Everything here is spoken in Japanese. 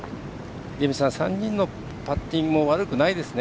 ３人のパッティングも悪くないですね。